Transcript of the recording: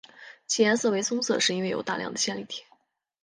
其颜色为棕色是因为有大量的线粒体。